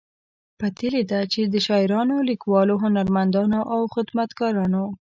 پتیلې ده چې د شاعرانو، لیکوالو، هنرمندانو او خدمتګارانو